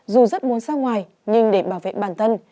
dù rất muốn ra ngoài nhưng để bảo vệ bản thân